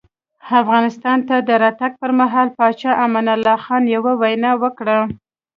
افغانستان ته د راتګ پر مهال پاچا امان الله خان یوه وینا وکړه.